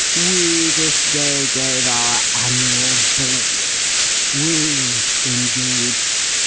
We this day gave our Annual Ball we, indeed!